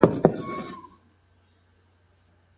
څوک چي وليمې ته دعوت سي ګډون پرې واجب دی؟